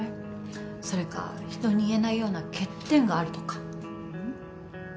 それか人に言えないような欠点があるとかうん？